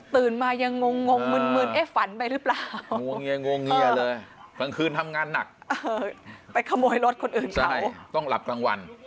ตื่นมายังงงมืนมืนเอฟฝันไปหรือเปล่างงเงียเลยตอนคืนทำงานหนักไปขโมยรถคนอื่นต้องหลับกลางวัน